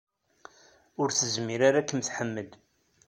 Ur tezmir ara ad kem-tḥemmel.